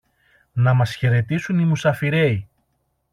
να μας χαιρετήσουν οι μουσαφιρέοι